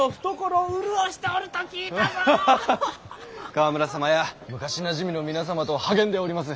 川村様や昔なじみの皆様と励んでおります。